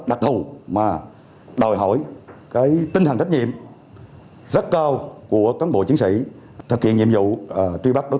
đặc thù mà đòi hỏi cái tinh thần trách nhiệm rất cao của cán bộ chiến sĩ thực hiện nhiệm vụ truy bắt đối tượng